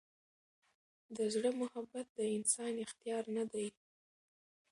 د زړه محبت د انسان اختیار نه دی.